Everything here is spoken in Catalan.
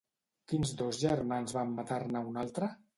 Quins dos germans van matar-ne un altre?